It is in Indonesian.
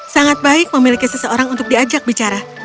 sangat baik memiliki seseorang untuk diajak bicara